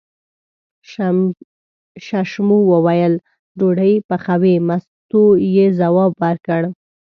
ششمو وویل: ډوډۍ پخوې، مستو یې ځواب ورکړ.